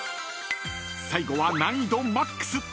［最後は難易度マックス］